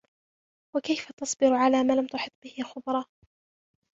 وَكَيْفَ تَصْبِرُ عَلَى مَا لَمْ تُحِطْ بِهِ خُبْرًا